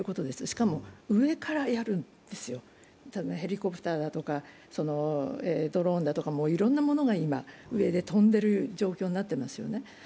しかも上からやるんですよ、ヘリコプターだとかドローンだとかいろんなものが今、上で飛んでる状況になってますよね。